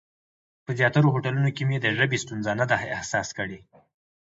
په زیاترو هوټلونو کې مې د ژبې ستونزه نه ده احساس کړې.